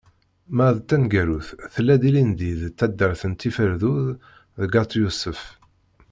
Ma d taneggarut, tella-d ilindi deg taddart n Tiferdud deg At Yusef.